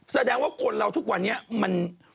แสดงว่าคนเราทุกวันนี้มัน